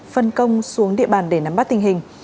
phân công xuống địa bàn để nắm bắt tình hình